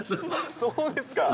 そうですか。